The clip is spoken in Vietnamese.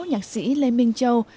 nhạc sĩ lê minh châu